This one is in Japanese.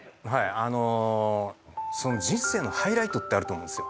あの人生のハイライトってあると思うんですよ。